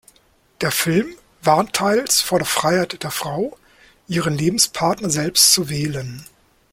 Der Film warnt teils vor der Freiheit der Frau, ihren Lebenspartner selbst zu wählen.